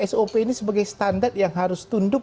sop ini sebagai standar yang harus tunduk